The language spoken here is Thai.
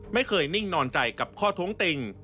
ไม่เคยนิ่งนอนใจกับข้อท้วงติ่ง